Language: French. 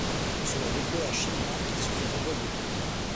Cela déplaît à Shinma qui se fait renvoyer.